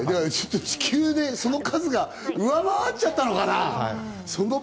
地球でその数が上回っちゃったじゃないかな？